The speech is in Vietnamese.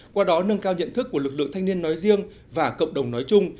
qua đó nâng cao nhận thức của lực lượng thanh niên nói riêng và cộng đồng nói chung